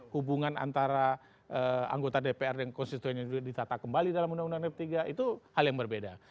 hubungan antara anggota dpr dan konstituen yang ditata kembali dalam undang undang md tiga itu hal yang berbeda